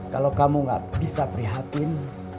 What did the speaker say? kalau kamu gak bisa prihatin